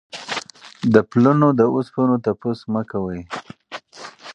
د پلونو د اوسپنو تپوس مه کوئ.